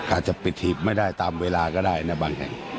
อาจจะปิดหีบไม่ได้ตามเวลาก็ได้ในบางแห่ง